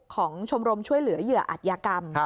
ชมรมช่วยเหลือเหยื่ออัตยากรรม